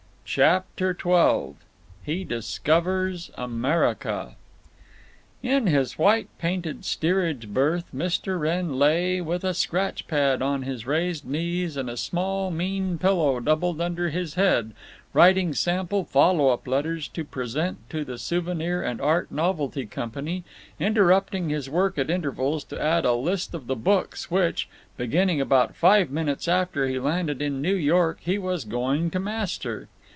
CHAPTER XII HE DISCOVERS AMERICA In his white painted steerage berth Mr. Wrenn lay, with a scratch pad on his raised knees and a small mean pillow doubled under his head, writing sample follow up letters to present to the Souvenir and Art Novelty Company, interrupting his work at intervals to add to a list of the books which, beginning about five minutes after he landed in New York, he was going to master.